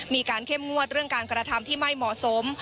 เข้มงวดเรื่องการกระทำที่ไม่เหมาะสม